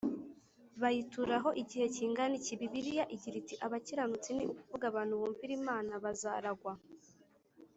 Bayituraho igihe kingana iki bibiliya igira iti abakiranutsi ni ukuvuga abantu bumvira imana bazaragwa